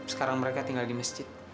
sekarang mereka tinggal di masjid